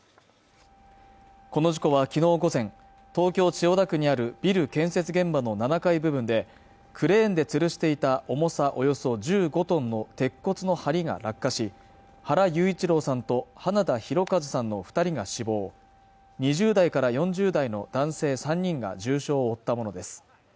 この事故はきのう午前東京・千代田区にあるビル建設現場の７階部分でクレーンでつるしていた重さおよそ１５トンの鉄骨の梁が落下し原裕一郎さんと花田大和さんの二人が死亡２０代から４０代の男性３人が重傷を負ったものです